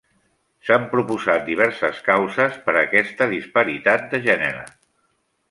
S'han proposat diverses causes per a aquesta disparitat de gènere.